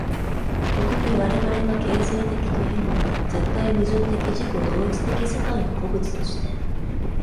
ここに我々が形成的というのは、絶対矛盾的自己同一的世界の個物として、